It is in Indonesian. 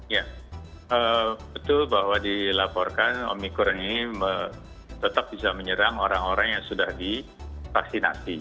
ya betul bahwa dilaporkan omikron ini tetap bisa menyerang orang orang yang sudah divaksinasi